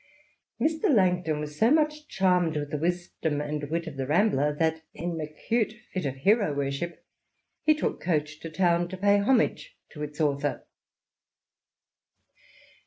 Mr. Langton was so much charmed with the wisdom and wit of the Rambler that, in an acute fit of hero worship, he took coach to town to pay homage to its author.